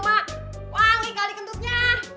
wangi kali kentutnya